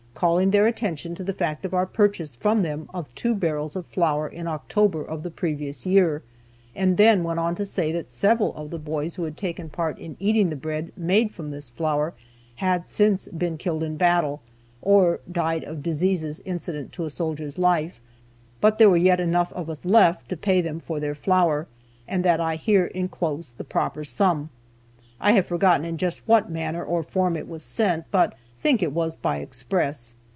calling their attention to the fact of our purchase from them of two barrels of flour in October of the previous year, and then went on to say that several of the boys who had taken part in eating the bread made from this flour had since then been killed in battle, or died of diseases incident to a soldier's life, but there were yet enough of us left to pay them for their flour, and that I here inclosed the proper sum. (I have forgotten in just what manner or form it was sent, but think it was by express.)